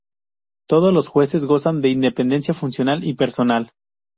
Todos los jueces gozan de independencia funcional y personal.